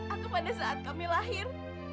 atau pada saat kami lahir